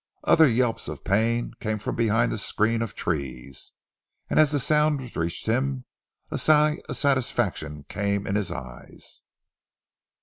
Other yelps of pain came from behind the screen of trees, and as the sounds reached him a sigh of satisfaction came in his eyes.